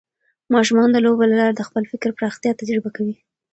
ماشومان د لوبو له لارې د خپل فکر پراختیا تجربه کوي.